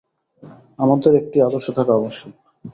আমাদের একটি আদর্শ থাকা আবশ্যক।